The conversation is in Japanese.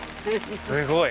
すごい。